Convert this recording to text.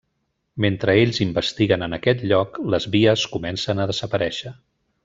Mentre ells investiguen en aquest lloc, les vies comencen a desaparèixer.